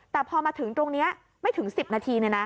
แต่พอมาถึงตรงนี้ไม่ถึง๑๐นาที